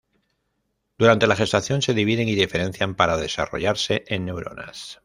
Durante la gestación se dividen y diferencian para desarrollarse en neuronas.